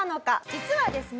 実はですね